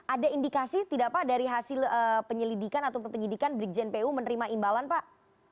ada indikasi tidak pak dari hasil penyelidikan atau penyelidikan brikjen pu menerima imbalan pak